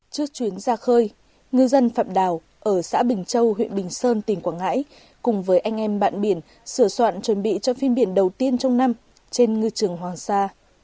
trước chuyến ra khơi ngư dân phạm đào ở xã bình châu huyện bình sơn tỉnh quảng ngãi cùng với anh em bạn biển sửa soạn chuẩn bị cho phiên biển đầu tiên trong năm trên ngư trường hoàng sa